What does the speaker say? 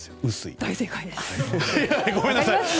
大正解です。